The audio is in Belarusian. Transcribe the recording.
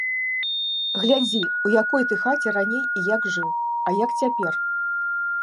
Глядзі, у якой ты хаце раней і як жыў, а як цяпер!